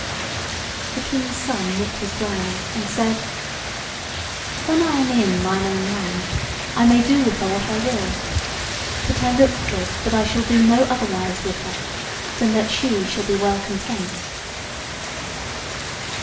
The King's Son knit his brow, and said: "When I am in mine own land I may do with her what I will; but I look for it that I shall do no otherwise with her than that she shall be well content."